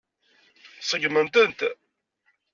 Seggment-tent.